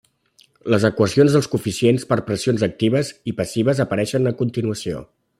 Les equacions dels coeficients per pressions actives i passives apareixen a continuació.